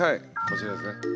こちらですね。